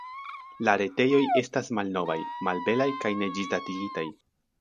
La retejoj estas malnovaj, malbelaj kaj ne ĝisdatigataj.